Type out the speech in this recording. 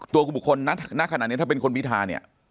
ตัวบุคคลน่าขนาดนี้ถ้าเป็นคนวิทาเนี่ย